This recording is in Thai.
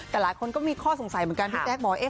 แต่หลายคนก็มีข้อสงสัยเหมือนกันพี่แจ๊คบอก